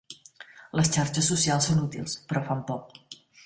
Les xarxes socials són útils, però fan por.